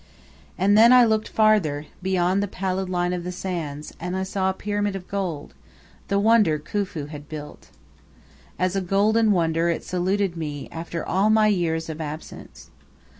And then I looked farther, beyond the pallid line of the sands, and I saw a Pyramid of gold, the wonder Khufu had built. As a golden wonder it saluted me after all my years of absence.